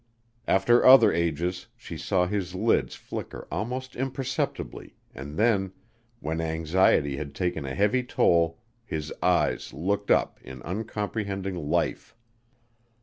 After other ages she saw his lids flicker almost imperceptibly and then, when anxiety had taken a heavy toll, his eyes looked up in uncomprehending life.